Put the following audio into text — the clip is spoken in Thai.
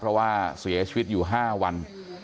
เพราะว่าเสียชีวิตอยู่๕วัน